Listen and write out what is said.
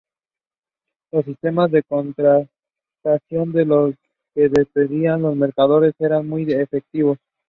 Los sistemas de contratación de los que dependían los mercaderes eran muy efectivos.